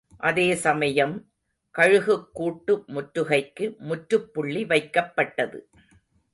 அதே சமயம், கழுகுக்கூட்டு முற்றுகைக்கு முற்றுப்புள்ளி வைக்கப்பட்டது.